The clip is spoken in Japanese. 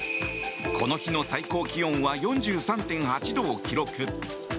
この日の最高気温は４３．８度を記録。